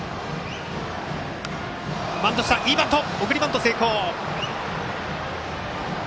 送りバント、成功。